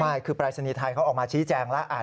ใช่คือปรายศนีย์ไทยเขาออกมาชี้แจงแล้ว